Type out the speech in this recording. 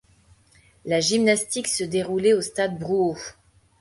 La gymnastique se déroulait au stade Brouhot.